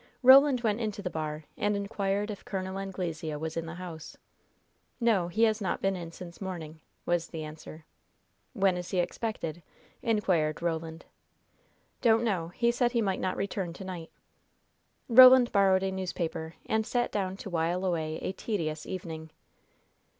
Roland went into the bar, and inquired if Col. Anglesea was in the house. "No; he has not been in since morning," was the answer. "When is he expected?" inquired Roland. "Don't know; he said he might not return to night." Roland borrowed a newspaper, and sat down to while away a tedious evening.